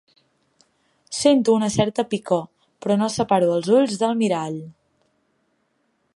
Sento una certa picor, però no separo els ulls del mirall.